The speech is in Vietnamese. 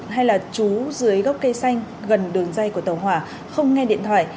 hay là chú dưới gốc cây xanh gần đường dây của tàu hỏa không nghe điện thoại